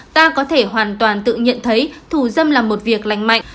ta có thể hoàn toàn tự nhận thấy thủ dâm là một việc lành mạnh